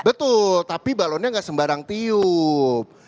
betul tapi balonnya nggak sembarang tiup